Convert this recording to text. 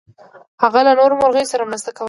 هغه له نورو مرغیو سره مرسته کوله.